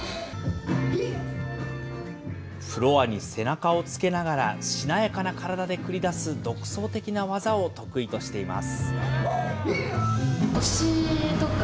フロアに背中をつけながらしなやかな体で繰り出す独創的な技を得意としています。